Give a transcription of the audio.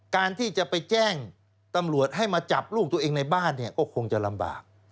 การที่จะไปแจ้งตำรวจให้มาจับลูกตัวเองในบ้านเนี่ยก็คงจะลำบาก